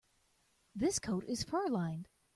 This coat is fur-lined.